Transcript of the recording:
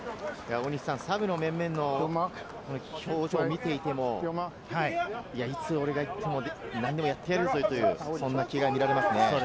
サブの面々の表情を見ていても、いつ俺が行っても、何でもやってやるというそんな気が見られますね。